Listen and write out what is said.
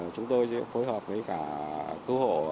chúng tôi sẽ phối hợp với cả cứu hộ